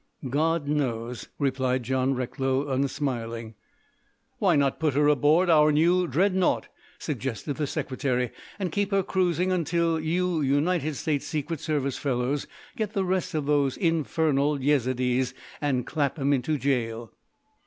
"God knows," replied John Recklow, unsmiling. "Why not put her aboard our new dreadnought?" suggested the Secretary, "and keep her cruising until you United States Secret Service fellows get the rest of these infernal Yezidees and clap 'em into jail?"